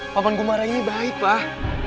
paman gumara ini baik pak